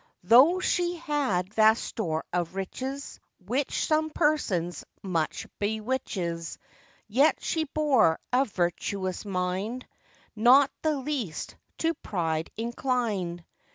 Though she had vast store of riches, Which some persons much bewitches, Yet she bore a virtuous mind, Not the least to pride inclined.